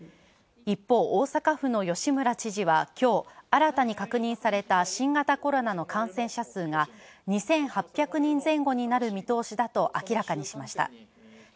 一方、大阪府の吉村知事はきょう新たに確認された新型コロナの感染者数が２８００人前後になる見通しだと明らかにしました。